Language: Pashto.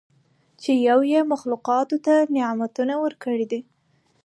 چې یو ئي مخلوقاتو ته نعمتونه ورکړي دي